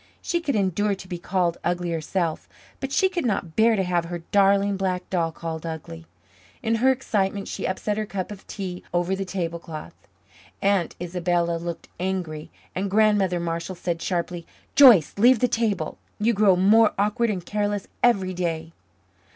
She could endure to be called ugly herself, but she could not bear to have her darling black doll called ugly. In her excitement she upset her cup of tea over the tablecloth. Aunt Isabella looked angry, and Grandmother Marshall said sharply: "Joyce, leave the table. You grow more awkward and careless every day."